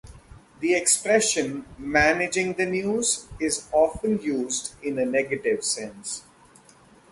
The expression "managing the news" is often used in a negative sense.